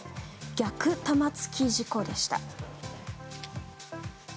逆玉突き事故でした。